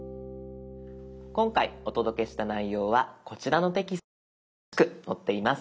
今回お届けした内容はこちらのテキストに詳しく載っています。